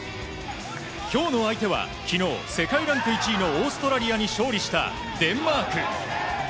今日の相手は昨日、世界ランク１位のオーストラリアに勝利したデンマーク。